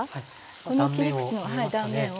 この切り口の断面を。